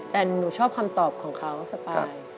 แล้วหนูชอบความตอบของเขาสบาย